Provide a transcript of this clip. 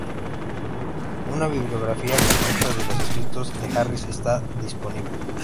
Una bibliografía completa de los escritos de Harris está dis`ponible.